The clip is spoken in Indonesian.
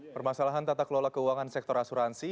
permasalahan tata kelola keuangan sektor asuransi